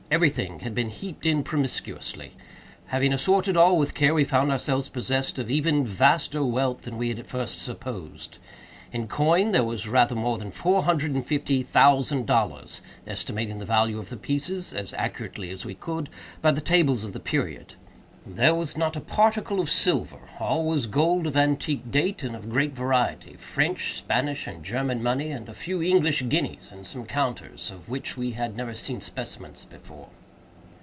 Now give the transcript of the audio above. Every thing had been heaped in promiscuously. Having assorted all with care, we found ourselves possessed of even vaster wealth than we had at first supposed. In coin there was rather more than four hundred and fifty thousand dollars—estimating the value of the pieces, as accurately as we could, by the tables of the period. There was not a particle of silver. All was gold of antique date and of great variety—French, Spanish, and German money, with a few English guineas, and some counters, of which we had never seen specimens before.